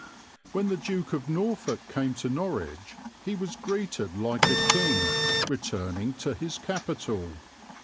When the Duke of Norfolk came to Norwich he was greeted like a king returning to his capital.